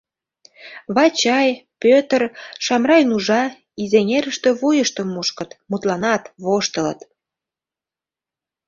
Вачай, Пӧтыр, Шамрай Нужа изеҥерыште вуйыштым мушкыт, мутланат, воштылыт.